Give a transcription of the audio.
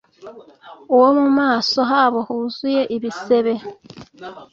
uwo mu maso habo huzuye ibisebe